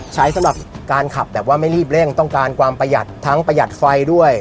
สำหรับการขับแบบว่าไม่รีบเร่งต้องการความประหยัดทั้งประหยัดไฟด้วย